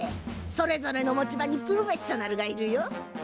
それぞれの持ち場にプロフェッショナルがいるよ。